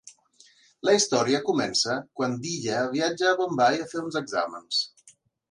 La història comença quan Diya viatja a Bombai a fer uns exàmens.